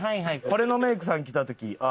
これのメイクさん来た時あ